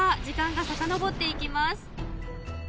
時間がさかのぼっていきます